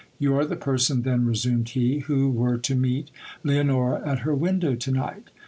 You are the person then, resumed he, who were to meet Leonora at her window to night